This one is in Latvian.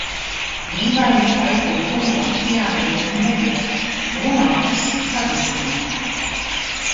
Dīvaini, ka aitu vilnu Latvijā nevienam nevajag, to nākas sadedzināt.